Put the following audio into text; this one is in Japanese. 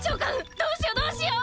どうしようどうしよう！